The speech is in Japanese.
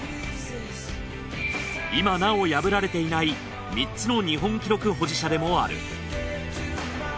今なお破られていない３つの日本記録保持者でもある。